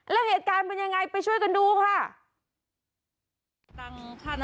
แล้วเหตุการณ์เป็นยังไงไปช่วยกันดูค่ะ